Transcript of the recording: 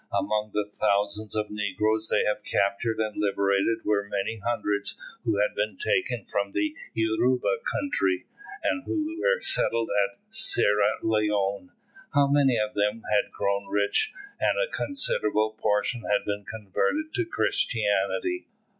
Among the thousands of negroes they have captured and liberated were many hundreds who had been taken from the Yoruba country, and who were settled at Sierra Leone. Here many of them had grown rich, and a considerable proportion had been converted to Christianity.